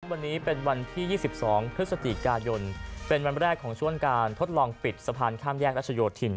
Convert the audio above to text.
วันนี้เป็นวันที่๒๒พฤศจิกายนเป็นวันแรกของช่วงการทดลองปิดสะพานข้ามแยกรัชโยธิน